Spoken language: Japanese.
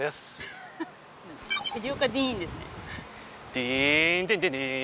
ディーンディディディーン！